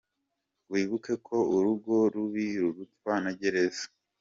Wibuke ko urugo rubi rurutwa na gereza.